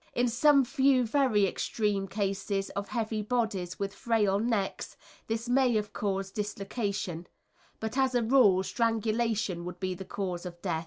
In some few very extreme cases of heavy bodies with frail necks this may have caused dislocation, but as a rule strangulation would be the cause of death.